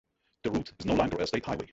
The route is no longer a state highway.